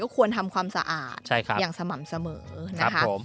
ควรทำความสะอาดอย่างสม่ำเสมอนะคะ